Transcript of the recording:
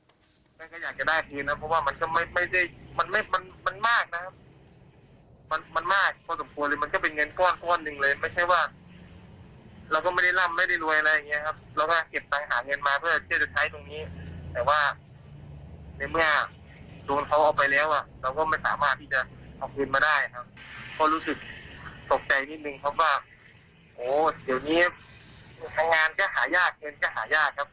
โอ้เดี๋ยวนี้งานก็หายากเงินก็หายากครับในช่วงเศรษฐกิจแบบนี้นะครับ